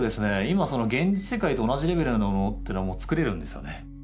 今現実世界と同じレベルのものってのはもう作れるんですよね。